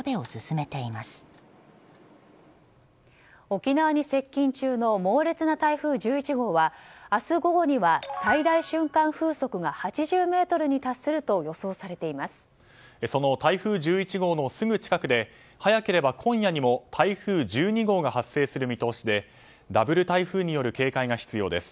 沖縄に接近中の猛烈な台風１１号は明日午後には最大瞬間風速が８０メートルに達するとその台風１１号のすぐ近くで早ければ今夜にも台風１２号が発生する見通しでダブル台風による警戒が必要です。